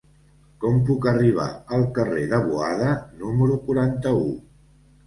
Com puc arribar al carrer de Boada número quaranta-u?